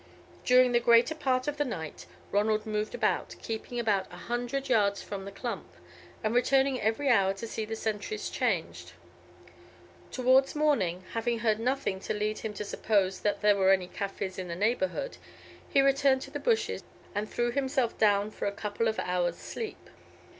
During the greater part of the night, Ronald moved about, keeping about a hundred yards from the clump, and returning every hour to see the sentries changed. Towards morning, having heard nothing to lead him to suppose that there were any Kaffirs in the neighbourhood, he returned to the bushes, and threw himself down for a couple of hours' sleep.